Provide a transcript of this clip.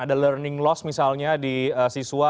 ada learning loss misalnya di siswa